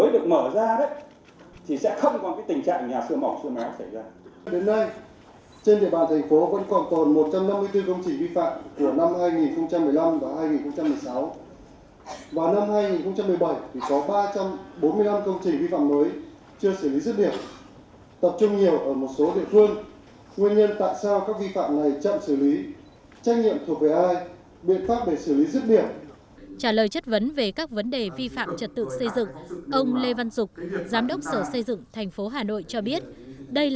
quản lý đất đai nhà siêu mỏng siêu méo tình trạng này thuộc về ai và biện pháp để xử lý rứt điểm tình trạng này